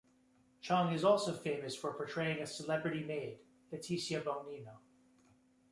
Chong is also famous for portraying a celebrity maid, Leticia Bongnino.